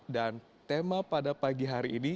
dan tema pada pagi hari ini